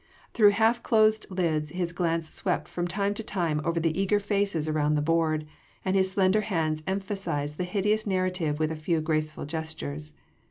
Through half closed lids his glance swept from time to time over the eager faces around the board, and his slender hands emphasised the hideous narrative with a few graceful gestures.